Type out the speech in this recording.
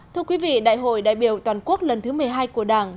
thưa quý vị đại hội đại biểu toàn quốc lần thứ một mươi hai của đảng